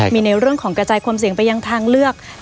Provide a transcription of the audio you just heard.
มีในเรื่องของกระจายความเสี่ยงไปยังทางเลือก